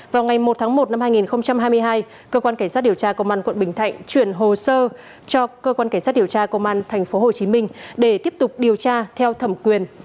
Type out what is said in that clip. vào ngày một tháng một năm hai nghìn hai mươi hai cơ quan cảnh sát điều tra công an quận bình thạnh chuyển hồ sơ cho cơ quan cảnh sát điều tra công an tp hcm để tiếp tục điều tra theo thẩm quyền